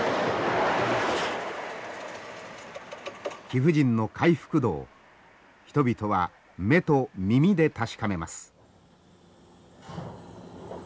貴婦人の回復度を人々は目と耳で確かめます。